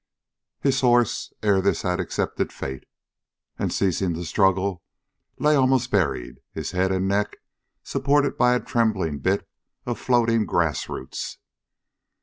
His horse ere this had accepted fate, and ceasing to struggle lay almost buried, his head and neck supported by a trembling bit of floating grass roots.